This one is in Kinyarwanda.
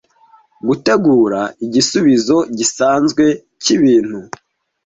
Gutegura igisubizo gisanzwe cyibintu,